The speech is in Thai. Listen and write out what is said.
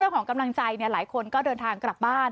ของกำลังใจหลายคนก็เดินทางกลับบ้าน